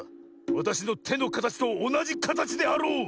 わたしのてのかたちとおなじかたちであろう？